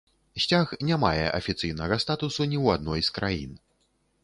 Сцяг не мае афіцыйнага статусу ні ў адной з краін.